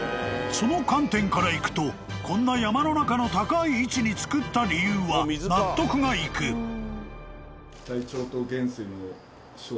［その観点からいくとこんな山の中の高い位置に造った理由は納得がいく］ハハハ！